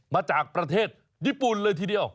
มาจากประเทศญี่ปุ่นเลยทีเดียว